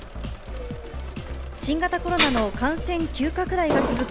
新型コロナの感染急拡大が続く